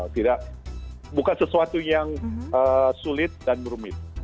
tidak bukan sesuatu yang sulit dan rumit